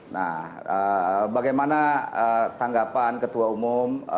nah bagaimana tanggapan ketua umum